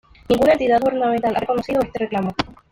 Ninguna entidad gubernamental ha reconocido este reclamo.